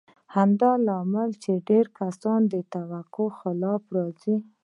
همدا لامل دی چې ډېر کسان د توقع خلاف پاتې راځي.